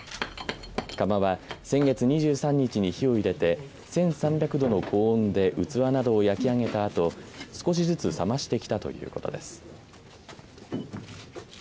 窯は先月２３日に火を入れて１３００度の高温で器などを焼き上げたあと少しずつ冷ましてきたということです。